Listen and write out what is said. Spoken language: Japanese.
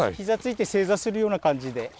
膝ついて正座するような感じで。